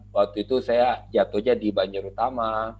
waktu itu saya jatuhnya di banjar utama